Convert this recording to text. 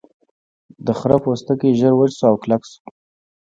د خرۀ پوستکی ژر وچ شو او کلک شو.